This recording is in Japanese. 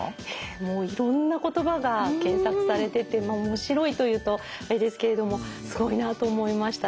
もういろんな言葉が検索されてて面白いと言うとあれですけれどもすごいなあと思いましたね。